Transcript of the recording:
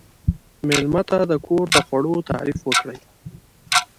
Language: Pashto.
مېلمه ته د کور د خوړو تعریف وکړئ.